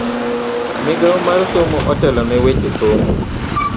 Migao mar somo otelone weche somo.